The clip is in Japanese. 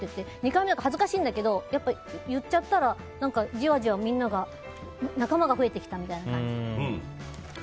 ２回目、恥ずかしいんだけど言っちゃったらじわじわみんなが仲間が増えてきたみたいな感じ。